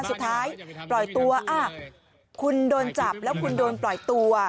สุดท้ายปล่อยตัวคุณโดนจับแล้วคุณโดนปล่อยตัว